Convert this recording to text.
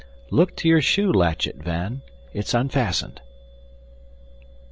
Look to your shoe latchet, Van. It's unfastened."